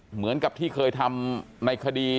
เหมือนกับที่เคยทำในคดี